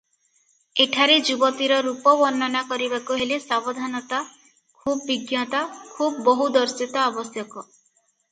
ଏଠାରେ ଯୁବତୀର ରୂପ ବର୍ଣ୍ଣନା କରିବାକୁ ହେଲେ ସାବଧାନତା, ଖୁବ୍ ବିଜ୍ଞତା, ଖୁବ୍ ବହୁଦର୍ଶିତା ଆବଶ୍ୟକ ।